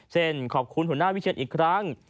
เช่นขอบคุณหัวหน้าวิทยานอีกครั้ง